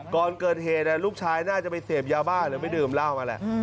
ก่อนเกิดเหตุลูกชายน่าจะไปเสพยาบ้านหรือไปดื่มเล่าอะไร